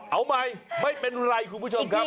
เอาใหม่ไม่เป็นไรคุณผู้ชมครับ